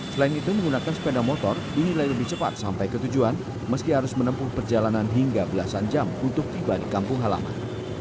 selain itu menggunakan sepeda motor dinilai lebih cepat sampai ke tujuan meski harus menempuh perjalanan hingga belasan jam untuk tiba di kampung halaman